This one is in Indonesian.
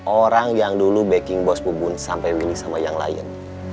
orang yang dulu backing bos pebun sampai begini sama yang lain